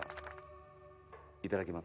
いただきます。